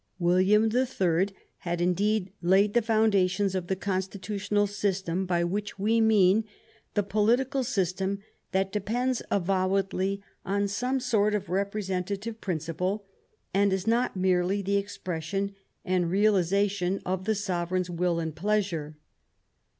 William the Third had indeed laid the foundations of the constitutional system, by which we mean the political system that depends avowedly on some sort of representative principle and is not merely the expression and realization of the sovereign's will and pleasure.